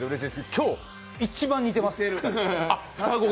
今日一番似てます。